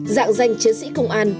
dạng danh chiến sĩ công an